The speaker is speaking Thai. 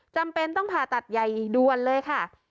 จำเป็นต้องผ่าตัดใหญ่ด่วนเลยค่ะ